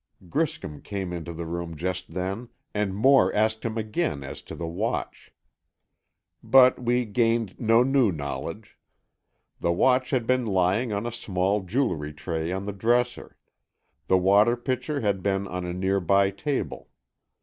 Griscom came into the room just then, and Moore asked him again as to the watch. But we gained no new knowledge. The watch had been lying on a small jewel tray on the dresser. The water pitcher had been on a near by table.